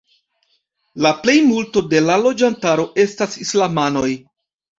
La plejmulto de la loĝantaro estas islamanoj.